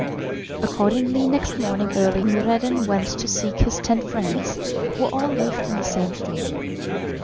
Accordingly next morning early Noureddin went to seek his ten friends, who all lived in the same street.